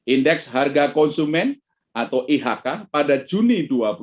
indeks harga konsumen atau ihk pada juni dua ribu dua puluh